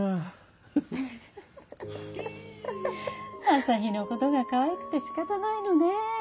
朝陽のことがかわいくて仕方ないのね。